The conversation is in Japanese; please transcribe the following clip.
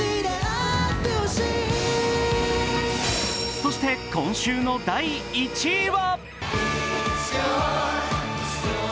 そして、今週の第１位は？